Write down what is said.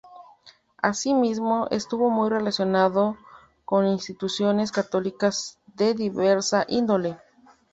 Asimismo, estuvo muy relacionado con instituciones católicas de diversa índole.